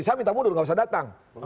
saya minta mundur gak usah datang